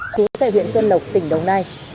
chú tại huyện xuân lộc tỉnh đồng nai